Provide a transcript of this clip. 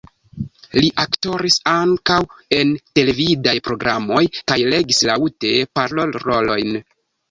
Li aktoris ankaŭ en televidaj programoj kaj legis laŭte parolrolojn.